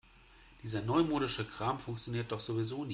Dieser neumodische Kram funktioniert doch sowieso nie.